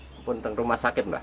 sekarang saya sudah sakit juga